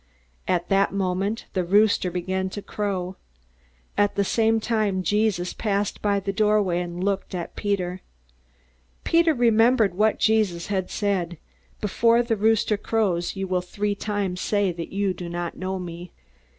At that moment the rooster began to crow. At the same time Jesus passed by the doorway, and looked at Peter. Peter remembered what Jesus had said, "Before the rooster crows, you will three times say that you do not know me."